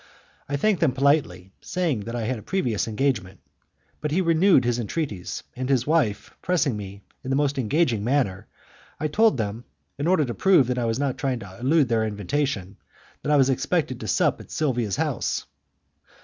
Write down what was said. I thanked him politely, saying that I had a previous engagement. But he renewed his entreaties, and his wife pressing me in the most engaging manner I told them, in order to prove that I was not trying to elude their invitation, that I was expected to sup at Silvia's house.